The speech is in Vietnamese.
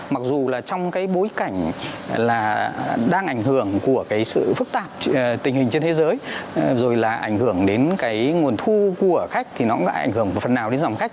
mặc dù là trong cái bối cảnh là đang ảnh hưởng của cái sự phức tạp tình hình trên thế giới rồi là ảnh hưởng đến cái nguồn thu của khách thì nó cũng đã ảnh hưởng một phần nào đến dòng khách